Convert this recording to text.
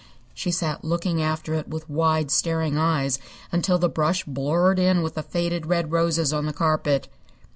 She sat looking after it with wide, staring eyes until the brush blurred in with the faded red roses on the carpet.